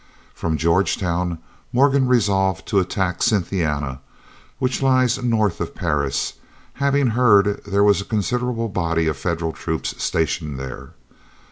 From Georgetown Morgan resolved to attack Cynthiana, which lies north of Paris, having heard there was a considerable body of Federal troops stationed there.